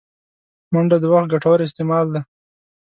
منډه د وخت ګټور استعمال دی